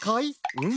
うん！